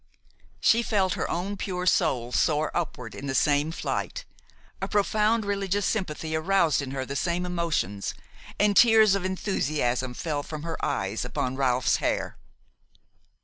She felt her own pure soul soar upward in the same flight. A profound religious sympathy aroused in her the same emotions, and tears of enthusiasm fell from her eyes upon Ralph's hair.